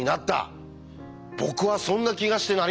僕はそんな気がしてなりません。